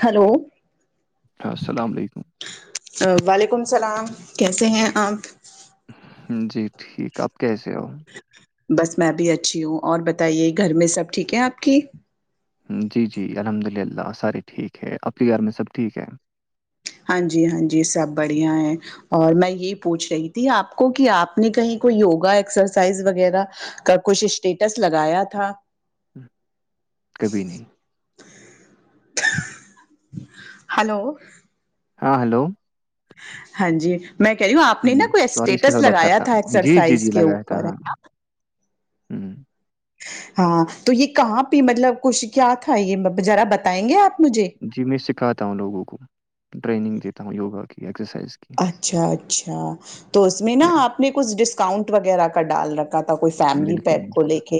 Hello السلام علیکم وعلیکم السلام کیسے ہیں آپ علیکم جی ٹھیک آپ کیسے ہو بس میں بھی اچھی ہوں اور بتائیے گھر میں سب ٹھیک ہے آپ کی جی جی الحمد للہ سارے ٹھیک ہے آپ کی گھر میں سب ٹھیک ہے ہاں جی ہاں جی سب بڑھیا ہے اور میں یہی پوچھ رہی تھی آپ کو کی آپ نے کہیں کوئی یوگا ایکسرسائز وغیرہ کا کچھ اسٹیٹس لگایا تھا کبھی نہیں ہلو ہاں ہلو ہاں جی میں کہہ رہی ہوں آپ نے نا کوئی سوری اس کے اسٹیٹس ساتھ بات لگایا کرتا تھا ہوں جی جی ایکسرسائز جی کے لگایا تھا اوپر ہاں ہوں، ہاں تو یے کہاں پ مطلب کچھ کیا تھا یے ذرا بتائیں گے آپ مجھے جی میں سکھاتا ہوں لوگوں کو ٹریننگ دیتا ہوں یوگا کی ایکسرسائز کی اچھا اچھا تو اس میں نا یا آپ نے کچھ ڈسکاؤنٹ وغیرہ کا ڈال رک کا تھا کوئی فیملی بالکل پیک کو بالکل لے کے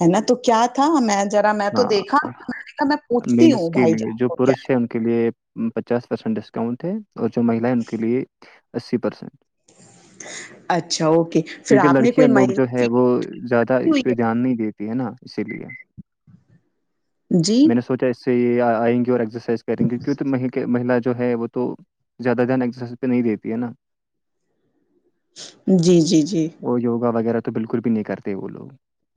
ہے نا تو کیا تھا میں ذرا میں تو دیکھا ہاں میں نے کہا میں پوچھتی میلس ہوں کے بھائی لیے جان جو کو کیا پرش ہے ان کے لیے پچاس پرسینٹ ڈسکاؤنٹ ہے اور جو مہلا ہے ان کے لیے اسی پرسینٹ اچھا، اوکے، پھر کیونکی آپ نے کوئی لڑکیاں لوگ مہیلا جو ہے فیڈ وہ زیادہ کی اس ہوئی پے دھیان نہیں دیت تی ہے نا اسی لیے ہے؟ جی، میں نے سوچا اس سے یہاں آئیں گی اور ایکسرسائز کریں گے کیونکہ ماہی کے مہیلا جو ہے وہ تو زیادہ دھیان ایکسرائزہ پے نہیں دیتی ہے نا جی جی جی وہ یوگا وغیرہ تو بالکل بھی نہیں کرتے وہ لوگ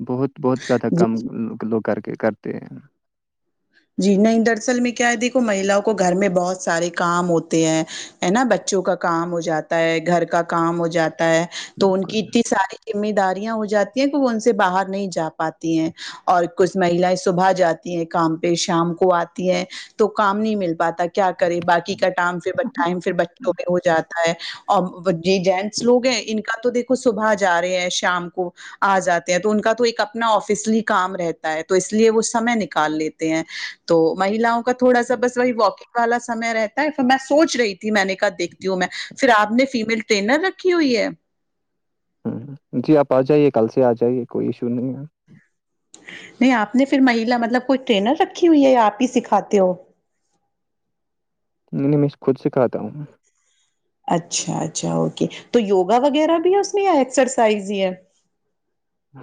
بہت بہت زیادہ جی۔ کم لوگ کر کے کرتے ہیں جی نہیں دراصل میں کیا ہے دیکھو مہیلا کو گھر میں بہت سارے کام ہوتے ہیں ہے نا بچوں کا کام ہو جاتا ہے گھر کا کام ہو جاتا ہے تو ان کی بالکل اتنی ساری ذم داریاں ہو جاتی ہیں کہ وہ ان سے باہر نہیں جا پاتی ہیں اور کچھ مہیلایں صبح جاتی ہیں کام پھر شام کو آتی ہے تو کام نہیں مل پاتا کیا کرے باقی کا ٹم پھر ٹائم پھر بچوں میں ہو جا تا ہے اور جی جینٹس لوگ ہیں ان کا تو دیکھو صبح جا رہے ہیں شام کو آ جاتے ہیں تو ان کا تو ایک اپنا آفسلی کام رہتا ہے تو اس لیے وہ سمے نکال لیت تے ہیں تو مہیؤں کا تھوڑا سا بس وہی واکنگ والا سمے رہتا ہے پ میں سوچ رہی تھی میں نے کہا دھتی ہوں میں پھر آپ نے فیمیل ٹرینر رکھی ہوئی ہے ہوں جی آپ آ جائیے کل سے آ جائیے کوئی ایشو نہیں ہے نہیں آپ نے پھر مہیلا مطلب کوئی ٹرینر رکھی ہوئی ہے آپ ہی سکھاتے ہو نہیں نہیں میں خود سے کہاتا ہوں اچھا اچھا اوکے تو یوگا وغیرہ بھی ہے اس میں یا ایکسرسائز ہی ہے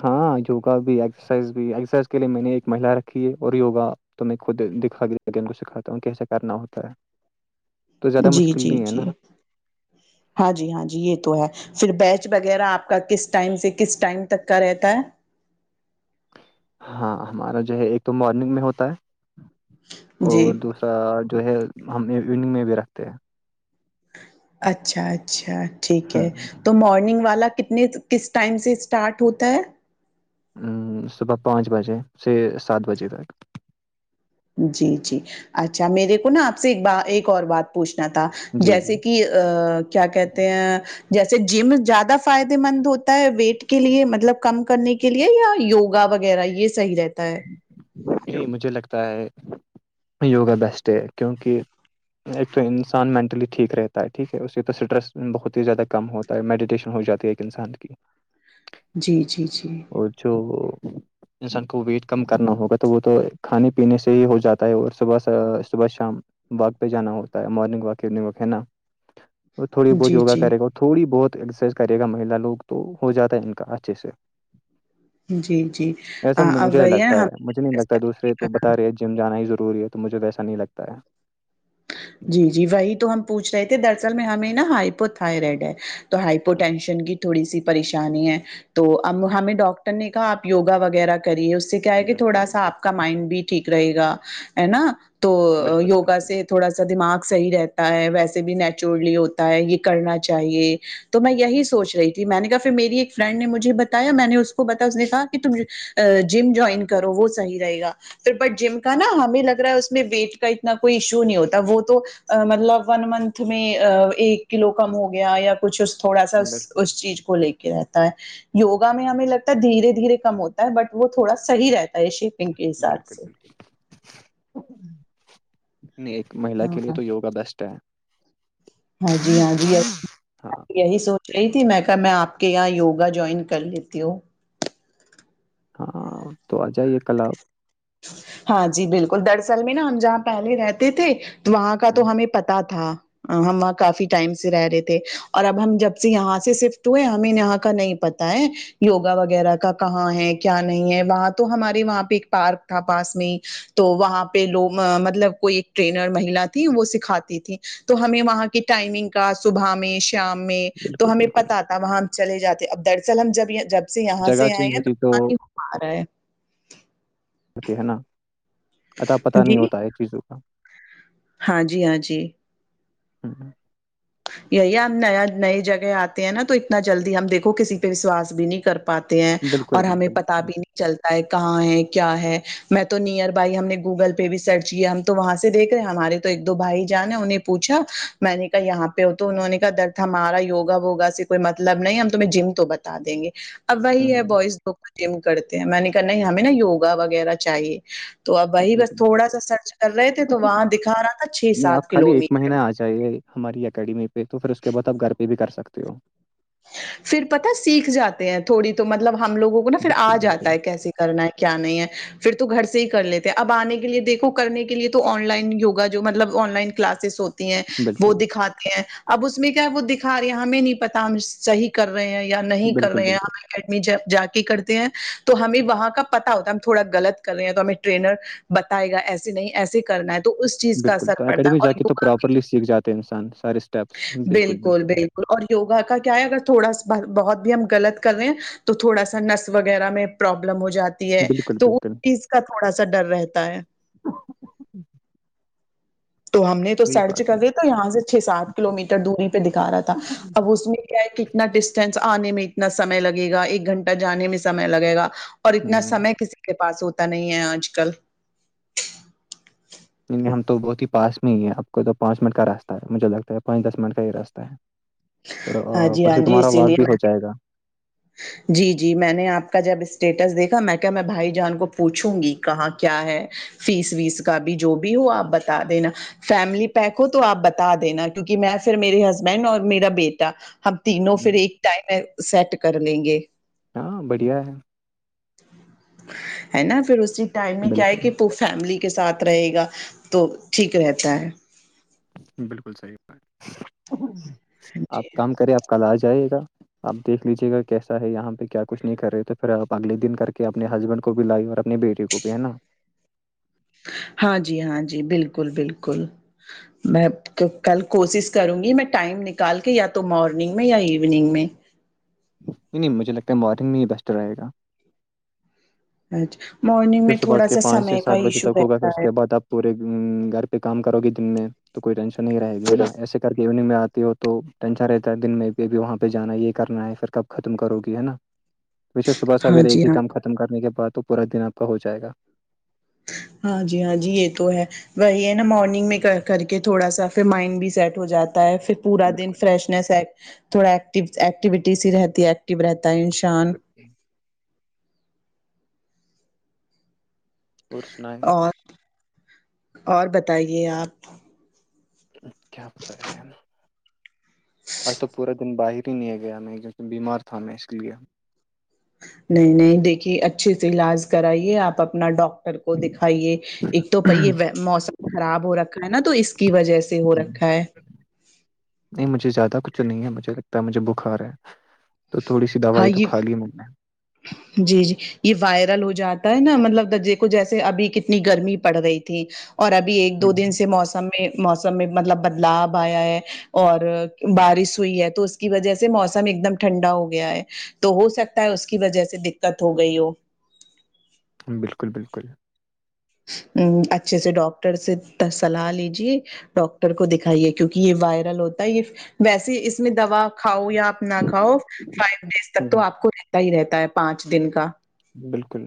ہاں یوگا بھی ایکسرسائز بھی ایکسرسائز کے لیے میں نے ایک مہیلا رکھی ہے اور یوگا تو میں خود دکھا گ ان کو سکھاتا ہوں کیسا کرنا ہوتا ہے تو زیادہ جی مشکل جی نہیں ہے جی نا ہاں جی ہاں جی یہ تو ہے پھر بیچ وغیرہ آپ کا کس ٹائم سے کس ٹائم تک کا رہتا ہے ہاں ہمارا جو ہے ایک تو مارننگ میں ہوتا ہے جی اور دوس را جو ہے ہم ایوننگ میں بھی رکھتے ہیں اچھا اچھا ٹھیک ہم، ہے تو مارننگ والا کتنے کس ٹائم سے اسٹارٹ ہوتا ہے صبح پانچ بجے سے سات بجے تک جی جی اچھا میرے کو نا آپ سے ایک ب ایک اور بات پوچھنا تھا جی جیسے جی کہ کیا کہتے ہیں جیسے جم زیادہ فائدے مند ہوتا ہے ویٹ کے لیے مطلب کم کرنے کے لیے یا یوگا وغیرہ یہ صحیح رہتا ہے ج مجھے لگتا ہے یوگا بیسٹ ہے کیونکہ ایک تو انسان مینٹلی ٹھیک رہتا ہے ٹھیک ہے اس سے تو اسٹریس بہت ہی زیادہ کم ہو تا میڈیٹیشن ہو جاتی ہے ایک انسان کی جی جی جی اور جو انسان کو ویٹ کم کرنا ہوگا تو وہ تو کھانے پینے سے ہی ہو جاتا ہے اور صبح صبح صبح شام واک پہ جانا ہوتا ہے مارنگ واک ایونگ وک ہے نا اور تھوڑی بہت جی، یوگا جی۔ کرے گ تھوڑی بہت ایکسرسائز کرے گا مہیلا لوگ تو ہو جاتا ہے ان کا اچھے سے جی جی اویا تا ہے مجھے نہیں لگتا دوسرے تو بتا رہے ہیں جیم جانا ہی ضروری ہے تو مجھے ویسا نہیں لگتا ہے جی جی وہی تو ہم پوچھ رہے تھے دراصل میں ہمیں نا ہائپو تھائرائڈ ہے تو ہائپر ٹینشن کی تھوڑی سی پریشانی ہے تو ا ہمیں ڈاکٹر نے کہا آپ وگا وغیرہ کریے اس سے کیا ہے کہ بالکل تھوڑا سا بالکل آپ کا مائنڈ بھی ٹھیک رہے گا ہے نا تو بالکل یوگا بالکل سے تھوڑا سا دماغ صحیح رہتا ہے ویسے بھی نیچورلی ہوتا ہے یہ کرنا چاہیے تو میں یہی سوچ رہی تھی میں نے کہا پھر میری ایک فرینڈ نے مجھے بتایا میں نے اس کو بتا اس نے کہا کہ تم ا جم جوائن کرو وہ صحیح رہے گا تورپٹ جم کا نا ہمیں لگ رہا ہے اس میں ویٹ کا اتنا کوئیش نہیں ہوتا وہ تو مطلب ون منتھ میں ایک کلو کم ہو گیا یا کچھ تھوڑا سا بالکل اس چیز کو لے کے رہتا ہے یوگا میں ہمیں لگتا ہے دھیرے دھیرے کم ہوتا ہے بٹ وہ تھوڑا صحیح رہتا ہے ش ان کے حساب بالکل سے بالکل نہیں ایک مہیلا ہاں کے لیے تو یوگا بیسٹ ہے ہاں جی ہاں جی ہاں یہی سونچ رہی تھی میں کہا میں آپ کے یہاں یوگا جوائن کر لیتی ہوں ہاں تو آ جائیے کل آپ ہاں جی بالکل دراصل میں نا ہم جہاں پہلے رہتے تھے وہاں کا ہ تو ہمیں پتہ تھا ہم وہاں کافی ٹائم سے رہ رہے تھے اور اب ہم جب سے یہاں سے شفٹ ہوئے ہمیں یہاں کا نہیں پتا ہے یوگا وغیرہ کا کہاں ہے کیا نہیں ہے وہاں تو ہمارے وہاں پہ ایک پارک تھا پاس میں تو وہاں پہ لوگ مطلب کوئی ایک ٹرینر میلا تھی وہ سکھاتی تھھی تو ہمیں وہاں کی ٹائمنگ کا صبح میں شام میں تو بالکل ہمیں بالکل پتہ آتا وہاں ہم چلے جاتے اب دراصل ہم جب جب سے یہاں جگہ سے آئے چینج ہیں ہوتی تو توانی ہو پا رہا ہے کرتے ہیں نا اتا پتہ نہیں جی ہوتا ہے چیزوں کا ہاں جی ہاں جی ہوں یہی ہم نیا نئے جگہ آتے ہیں نا تو اتنا جلدی ہم دیکھو کسی پہ وشواس بھی نہیں کر پاتے ہیں بالکل اور ہمیں بالکل پتہ بھی نہیں چلتا ہے کہاں ہے کیا ہے میں تو نیئر بائی ہم نے گوگل پہ بھی سرچ کیا تو وہاں سے دیکھ رہے ہمارے تو ایک دو بھائی جان ہے انہیں نے پوچھا میں نے کہا یہاں پہ پ ہو تو انہوں نے کہا درد ہمارا وگا ووگا سے کوئی مطلب نہیں ہم تمہیں جم تو بتا دیں گے اب ہ وہی ہے بوائز دو کو جم کرتے ہیں میں نے کہ نہیں ہمیں نا یوگا وغیرہ چاہیے تو اب وہی بس بالکل تھوڑا سا سرچ کر رہے تھے تو وہاں دکھا رہا تھا چھ سات کلو میٹر چاہیے ہماری اکیڈمی پہ تو پھر اس کے بعد آپ گھر پہ بھی کر سکتے ہو پھر پتہ سیکھ جاتے ہیں تھوڑی تو مطلب ہم لوگوں کو نا پھر بالکل آ جاتا بالکل ہے کیسے کرنا ہے کیا نہیں ہے پھر تو گھر سے ہی کر لیتے اب آنے کے لیے دیکھو کرنے کے لیے تو آن لائن یوگا جو مطلب آن لائن کلاسز ہوتے ہیں وہ بالکل دکھاتے ہیں اب اس میں کیا وہ دکھا رہی ہمیں نہیں پتا ہم صحیح کر رہے ہیں یا نہیں کر بالکل رہے بالکل ہیں جب جا کے کرتے ہیں تو ہمیں وہاں کا پتا ہوتا ہے ہم تھوڑا غلط کر رہے ہیں تو ہمیں ٹرینر بتائے گا ایسیے نہیں ایسے ہی کرنا ہے اس چیز کا بالکل اثر تو پڑتا ہے اکیڈمی اور جا کے تو یوگا پراپرلی سیکھ جاتے ہیں انسان سارے اسٹیپس بالکل بالکل اور یوگا کا ہے اگر تھوڑا سا بہت بھی ہم غلط کر رہے ہیں تو تھوڑا سا نس وغیرہ میں پرابلم ہو جاتا ہے بالکل تو اس بالکل چیز کا تھوڑا سا ڈر رہتا ہے تو ہم نے تو کوئی سرچ بات کرے تو یہاں سے چھ سات کلو میٹر دوری پہ دکھا رہا تھا نہیں اب اس میں کیا ہے کتنا ڈسٹینس آنے میں اتنا سمئے لگے گا ایک گھنٹہ جانے میں سمے لگے گا اور اتنا ہ سمے کسی کے پاس ہوتا نہیں ہے آج کل نہیں نہیں ہم تو بہت ہی پاس میں ہی ہے آپ کو تو پانچ منٹ کا راستہ ہے مجھے لگتا ہے پانچ دس منٹ کا یہ راستہ ہے اور ہاں آ، جی اوپر ہاں سے جی تمہارا اسی واک بھی لیے ہو جائے گا جی جی میں نے آپ کا جب اسٹیٹس دیکھا میں کیا میں بھائی جان کو پوچھوں گی کہاں کیا ہے فیس ویس کا بھی جو بھی ہو آپ بتا دینا فیملی پیک ہو تو آپ بتا دینا کیونکہ میں پھر میررے ہسبینڈ اور میرا بیٹا ہم تینوں پھر ہوں، ایک ٹائم سیٹ کر لیں گے ہاں بڑھیا ہے ہے نا پھر اسی ٹائم میں کیا ہے کہ بالکل فیملی کے ساتھ رہے گا تو ٹھیک رہتا ہے بلکل صحیح بات آپ جی کام کرے آپ کل آ جائے گا آپ دیکھ لیجیے گا کیسا ہے یہاں پہ کیا کچھ نہیں کر رہے تو پھر آپ اگلے دن کر کے اپنے ہسبنڈ کو بھی لائی اور اپنے بیٹے کو کپ ہے نا [unintelligible] ہاں جی ہاں جی بلکل بلکل میں کل کوشش کروں گی میں ٹائم نکال کے یا تو مارننگ میں یا ایوننگ میں نہیں نہیں مجھے لگتا ہے مارنگ میں ہی بیسٹ رہے گا اچھا م پ صبح کے پانچ سے سات بجے تک ہوگا پھر اس ہے کے بعد آپ پورے گھر پہ کام کرو گے دن میں تو کوئی ٹینشن نہیں رہے گی ہے نا ایسے کر کے ایوننگ میں آتی ہو تو ٹینشن رہتا ہے دن میں بھی ابھی وہاں پہ جانا ہے یہ کرنا ہے پھر کب ختم کرو گی ہے نا ج پے صبح سویرے ایک ہی کام ختم کرنے کے بعد تو پورا دن آپ کا ہو جائے گا ہاں جی ہاں جی یہ تو ہے وہی ہے نا مارننگ میں کر کے تھوڑا سا پھر مائنڈ بھی سیٹ ہو جاتا ہے پھر پورا دن بالکل فریش س تھوڑا ایکٹیو ایکٹیوٹیز ہی رہتی ہے ایکٹو رہتا ہے انشاء بچے اور سنائیں اور اور بتائیے آپ کیا بتا ہے آج تو پورا دن باہر نہیں گیا میں کیونکہ بیمار تھا میں اس لیے نہیں نہیں دیکھیے اچھے سے علاج کرائیے آپ اپنا ڈاکٹر کو دکھائیے ایک تو پائی موسم خراب ہو رکھا ہے نا تو اس کی وجہ سے سے ہو رکھا ہے نہیں مجھے زیادہ کچھ نہیں ہے مجھے لگتا ہے مجھے بخار ہے تو تھوڑی سی ہاں دوائی تو یہ کھا لی میں نے جی جی یہ وائرل ہو جاتا ہے نا مطلب درجے کو جیسے ابھی کتنی گرمی پڑ رہی تھی اور ابھی ایک دو دن سے موسم میں موسم میں مطلب بدلاؤ آیا ہے اور بارش ہوئی ہے تو اس کی وجہ سے موسم ایک دم ٹھنڈا ہو گیا ہے تو ہو سکتا ہے اس کی وجہ سے دکت ہو گئی ہو بلکل بلکل ہ اچھے سے ڈاکٹر سے صلاح لیجے ڈاکٹر کو دکھائیے کیونکہ یہ وائرل ہوتا ہے یہ ویسے اس میں دوا کھاؤ یا آپ نہ کھاؤ فائیو ڈیز تک تو آپ کو رہتا ہی رہتا ہے پانچ دن کا بلکل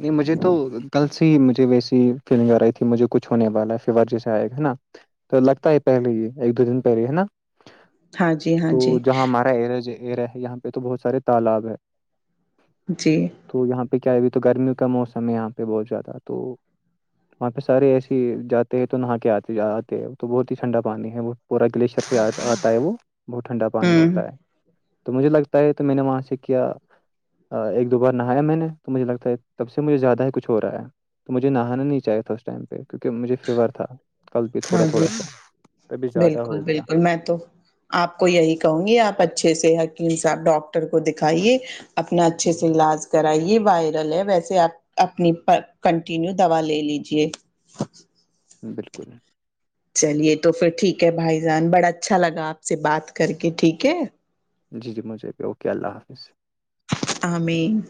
نہیں مجھے تو کل سے ہی مجھے ویسی فیلنگ آ رہی تھی مجھے کچھ ہونے والا ہے فیور جیسے آئے گا ہے نا تو لگتا ہے پہلے ہی ایک دو دن پہلے ہے نا ہاں جی ہاں تو جی جہاں ہمارا ایریا ہے یہاں پہ تو بہت سارے تالاب ہے جی تو یہاں پہ کیا ہے ابھی تو گرمیوں کا موسم ہے یہاں پہ بہت زیادہ تو وہاں پہ سارے ایسے جاتے ہیں تو نہا کے آتے آتے ہے تو بہت ہی ٹھنڈا پانی ہے وہ پورا گلیشر پ آتا ہے وہ بہت ٹھنڈا پانی ہوں ہوتا ہے تو مجھے لگتا ہے تو میں نے وہاں سے کیا ایک دو بار نہایا میں نے تو مجھے لگتا ہے تب سے مجھے زیادہ ہی کچھ ہو رہا ہے تو مجھے نہانا نہیں چاہے تھا اس ٹائم پہ کیونکہ مجھے فیور تھا کل بھی تھوڑا ہاں جی تھوڑا سا کبھی زیادہ بالکل ہو گیا ہوں، بالکل میں تو آپ کو یہی کہوں گی آپ اچھے سے حکیم صاحب ڈاکٹر کو دکھائیے اپنا اچھے سے علاج طرح یہ وائرل ہے ویسے آپ اپنی کنٹینیو دوا لے لیجے بالکل ہے چلیے تو پھر ٹھیک ہے بھائی جان بڑا اچھا لگا آپ سے بات کر کے ٹھیک ہے جی جی مجھے بھی اوکے اللہ حافظ آمین